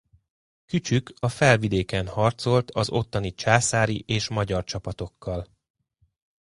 Kücsük a Felvidéken harcolt az ottani császári és magyar csapatokkal.